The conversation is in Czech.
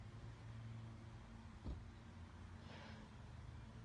Období Třicetileté války bylo jedním z nejhorších v dějinách města vůbec.